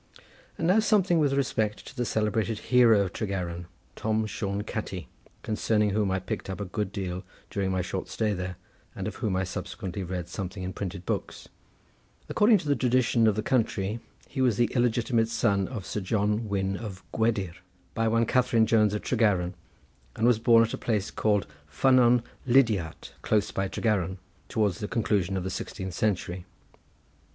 And now something with respect to the celebrated hero of Tregaron, Tom Shone Catti, concerning whom I picked up a good deal during my short stay there, and of whom I subsequently read something in printed books. According to the tradition of the country, he was the illegitimate son of Sir John Wynn of Gwedir, by one Catharine Jones of Tregaron, and was born at a place called Fynnon Lidiart, close by Tregaron, towards the conclusion of the sixteenth century.